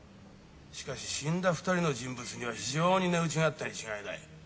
しかし死んだ２人の人物には非常に値打ちがあったに違いない。